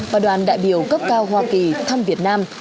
và đoàn đại biểu cấp cao hoa kỳ thăm việt nam